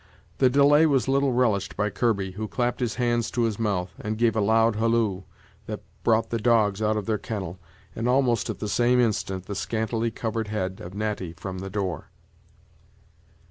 The delay was little relished by Kirby, who clapped his hands to his mouth, and gave a loud halloo that brought the dogs out of their kennel, and, almost at the same instant, the scantily covered head of Natty from the door.